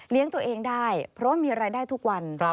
ตัวเองได้เพราะว่ามีรายได้ทุกวัน